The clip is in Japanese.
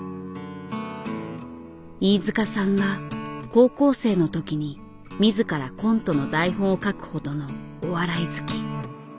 飯塚さんは高校生の時に自らコントの台本を書くほどのお笑い好き。